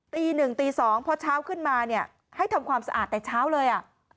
ตีหนึ่งตี๒พอเช้าขึ้นมาเนี่ยให้ทำความสะอาดแต่เช้าเลยอ่ะ